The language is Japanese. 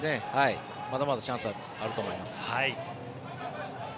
まだまだチャンスはあると思います。